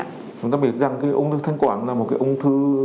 chúng ta biết rằng cái ung thư thanh quản là một cái ung thư